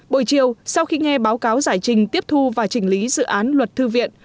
buổi chiều sau khi nghe báo cáo giải trình tiếp thu và chỉnh lý dự án luật thư viện